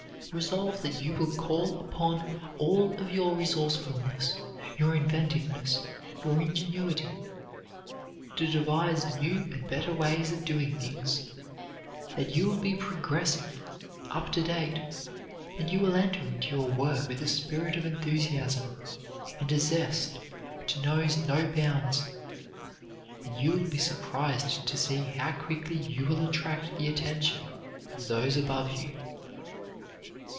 Resolve that you will call upon all of your resourcefulness, your inventiveness, your ingenuity, to devise new and better ways of doing things; that you will be progressive, up to date; that you will enter into your work with a spirit of enthusiasm and a zest which know no bounds, and you will be surprised to see how quickly you will attract the attention of those above you.